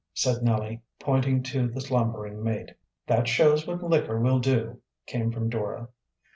said Nellie, pointing to the slumbering mate. "That shows what liquor will do," came from Dora.